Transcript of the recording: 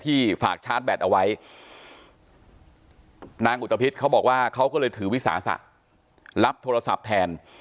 ฝากชาร์จแบตเอาไว้นางอุตภิษเขาบอกว่าเขาก็เลยถือวิสาสะรับโทรศัพท์แทน